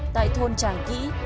tại thôn tràng kĩ